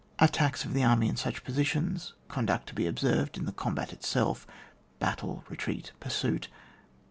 Attack of the enemy in such positions —conduct to be observed in the oombat itself — ^battle — retreat — pursuit.